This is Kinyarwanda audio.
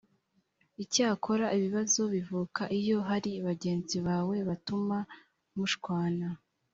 icyakora ibibazo bivuka iyo hari bagenzi bawe batuma mushwana